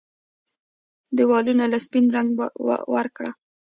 ديوالونو له سپين رنګ ورکړه